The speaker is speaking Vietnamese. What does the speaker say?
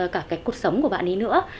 cả cái cuộc sống của bạn ấy nữa